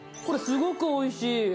これすごくおいしい。